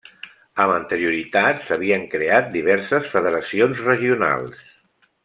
Amb anterioritat s'havien creat diverses federacions regionals.